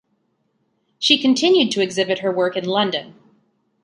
She continued to exhibit her work in London.